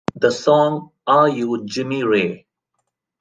The song Are You Jimmy Ray?